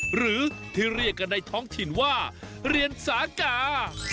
หรือที่เรียกกันในท้องถิ่นว่าเรียนสากา